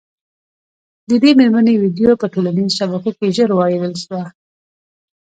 د دې مېرمني ویډیو په ټولنیزو شبکو کي ژر وایرل سوه